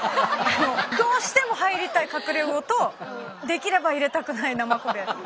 どうしても入りたいカクレウオとできれば入れたくないナマコで。